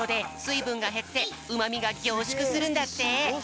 いぶんがへってうまみがぎょうしゅくするんだって。